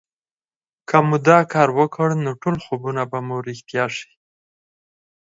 که مو دا کار وکړ نو ټول خوبونه به مو رښتيا شي